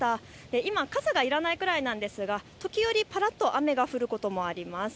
今、傘がいらないくらいなんですが時折、ぱらっと雨が降ることもあります。